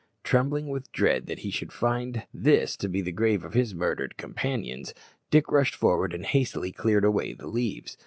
Trembling with dread that he should find this to be the grave of his murdered companions, Dick rushed forward and hastily cleared away the leaves.